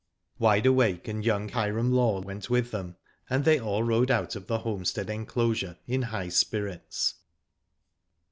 Wide Awake and young Hiram Law went with them, and they all rode out of the homestead en closure in high spirits.